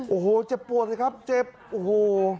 โอ้โหเจ็บปวดสิครับเจ็บโอ้โห